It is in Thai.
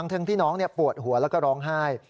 ทั้งที่น้องปวดหัวแล้วก็ร้องไห้